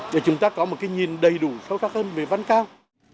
để chúng ta có một cái nhìn đầy đủ sâu sắc hơn về văn cao